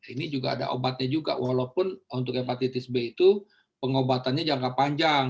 ini juga ada obatnya juga walaupun untuk hepatitis b itu pengobatannya jangka panjang